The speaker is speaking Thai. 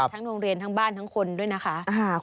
ทั้งโรงเรียนทั้งบ้านทั้งคนด้วยนะคะ